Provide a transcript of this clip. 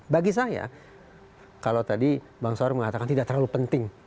bagi saya kalau tadi bang saur mengatakan tidak terlalu penting